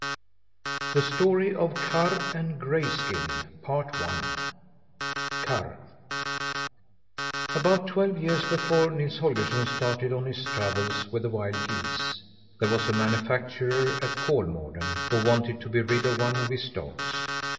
THE STORY OF KARR AND GRAYSKIN KARR About twelve years before Nils Holgersson started on his travels with the wild geese there was a manufacturer at Kolmården who wanted to be rid of one of his dogs.